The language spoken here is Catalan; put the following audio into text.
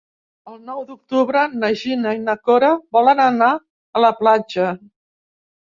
El nou d'octubre na Gina i na Cora volen anar a la platja.